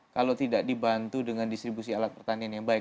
kalau tidak dibantu dengan distribusi alat pertanian yang baik